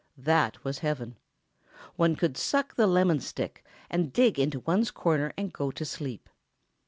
That was heaven. One could suck the lemon stick and dig into one's corner and go to sleep.